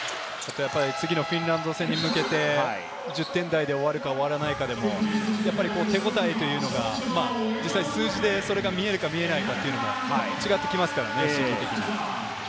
次のフィンランド戦に向けて１０点台で終わるか終わらないかで、手応えというのが実際、数字でそれが見えるか見えないか、違ってきますからね、心理的に。